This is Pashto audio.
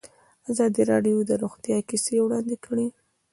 ازادي راډیو د روغتیا کیسې وړاندې کړي.